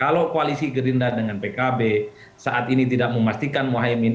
kalau koalisi gerindra dengan pkb saat ini tidak memastikan mohaimin